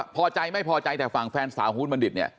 พอใจไม่พอใจจากฝั่งแฟนสาวฮูนบรรดิษฐ์เนี่ย